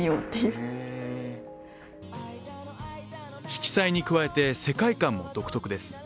色彩に加えて世界観も独特です。